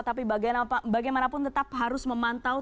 tapi bagaimanapun tetap harus memantau